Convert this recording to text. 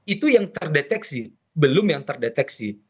itu yang terdeteksi belum yang terdeteksi